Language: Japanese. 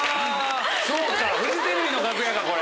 そうかフジテレビの楽屋かこれ。